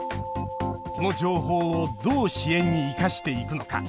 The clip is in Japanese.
この情報をどう支援に生かしていくのか。